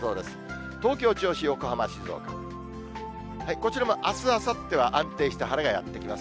こちらもあす、あさっては安定した晴れがやって来ます。